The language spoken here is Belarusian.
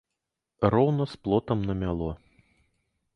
Роўна з плотам намяло.